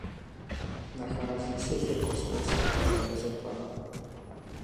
Nachází se zde kostel svatého Josefa.